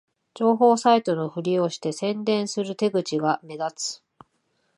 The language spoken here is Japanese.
情報サイトのふりをして宣伝する手口が目立つ